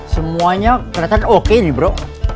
semuanya kelihatan oke nih bro